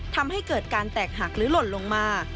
ทำให้เกิดการแตกหักหรือหล่นลงมา